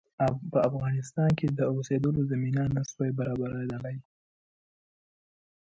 په افغانستان کې د اوسېدلو زمینه نه سوای برابرېدلای.